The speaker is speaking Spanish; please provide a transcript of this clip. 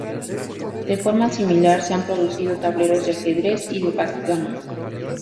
De forma similar, se han producido tableros de ajedrez y de backgammon.